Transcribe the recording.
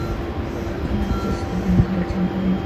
Actualmente es asistente en la selección italiana.